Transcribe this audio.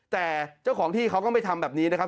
แต่เจ้าของที่เขาก็ไม่ทำแบบนี้นะครับ